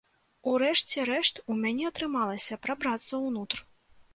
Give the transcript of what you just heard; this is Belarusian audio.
У рэшце рэшт, у мяне атрымалася прабрацца ўнутр.